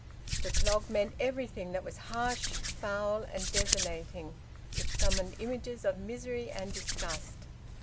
The clog meant everything that was harsh, foul, and desolating; it summoned images of misery and disgust.